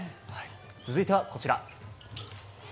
続いては、こちら。